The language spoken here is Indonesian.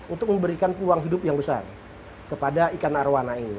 untuk memberikan peluang hidup yang besar kepada ikan arowana ini